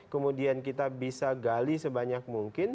kemudian kita bisa gali sebanyak mungkin